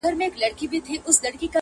هېري له ابا څه دي لنډۍ د ملالیو٫